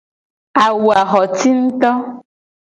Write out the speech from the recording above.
Awu a xo ci nguto.